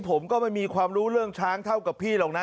ผมก็ไม่มีความรู้เรื่องช้างเท่ากับพี่หรอกนะ